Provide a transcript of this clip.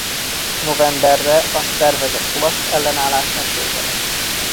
Novemberre a szervezett olasz ellenállásnak vége lett.